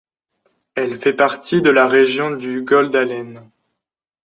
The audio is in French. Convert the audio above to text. Elle fait partie de la région du Gauldalen.